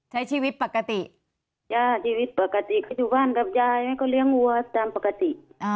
ใช้ชีวิตปกติใช่ชีวิตปกติอยู่บ้านกับยายเขาเลี้ยงหัวจำปกติ